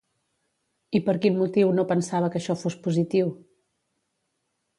I per quin motiu no pensava que això fos positiu?